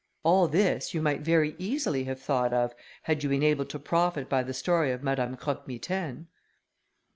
All this you might very easily have thought of, had you been able to profit by the story of Madame Croque Mitaine."